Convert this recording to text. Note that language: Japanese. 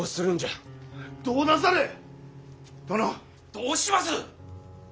どうします！？